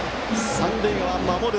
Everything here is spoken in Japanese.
三塁側、守る